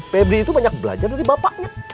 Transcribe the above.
pebri itu banyak belajar dari bapaknya